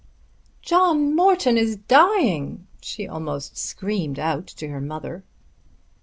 "John Morton is dying," she almost screamed out to her mother.